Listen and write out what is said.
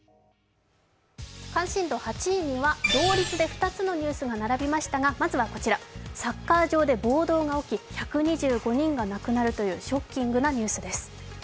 関心度８位には同率で２つのニュースが並びましたがまずはこちら、サッカー場で暴動が起き１２５人が亡くなるというショッキングなニュースです。